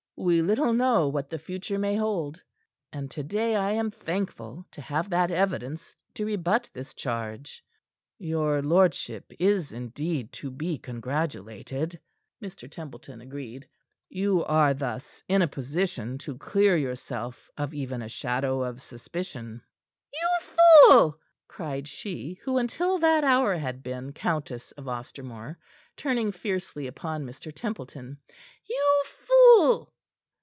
We little know what the future may hold. And to day I am thankful to have that evidence to rebut this charge." "Your lordship is indeed to be congratulated," Mr. Templeton agreed. "You are thus in a position to clear yourself of even a shadow of suspicion." "You fool!" cried she who until that hour had been Countess of Ostermore, turning fiercely upon Mr. Templeton. "You fool!"